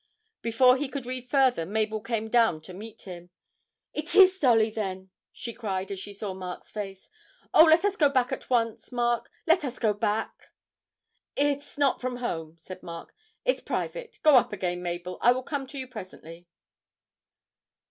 Before he could read further Mabel came down to meet him. 'It is Dolly, then!' she cried as she saw Mark's face. 'Oh, let us go back at once, Mark, let us go back!' 'It's not from home,' said Mark: 'it's private; go up again, Mabel, I will come to you presently.'